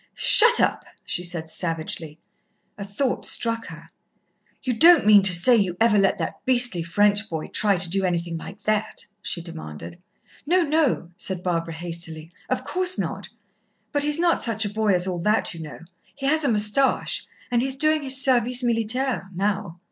"Shut up!" she said savagely. A thought struck her. "You don't mean to say you ever let that beastly French boy try to do anything like that?" she demanded. "No, no," said Barbara hastily; "of course not. But he's not such a boy as all that, you know. He has a moustache, and he's doing his service militaire now.